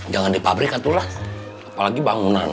jangan di pabrik atuh lah